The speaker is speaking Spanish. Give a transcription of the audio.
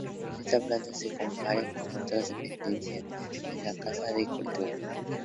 Esta planta se comparte con otras dependencias de la Casa de Cultura.